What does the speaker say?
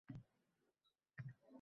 Boshliqning birgina imzosi uchun.